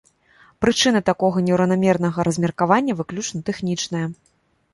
Прычына такога нераўнамернага размеркавання выключна тэхнічная.